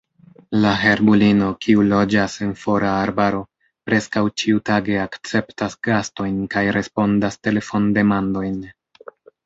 La herbulino, kiu loĝas en fora arbaro, preskaŭ ĉiutage akceptas gastojn kaj respondas telefondemandojn.